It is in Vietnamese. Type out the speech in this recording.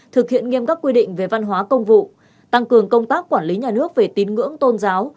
thực hiện nghiêm các quy định về văn hóa công vụ tăng cường công tác quản lý nhà nước về tín ngưỡng tôn giáo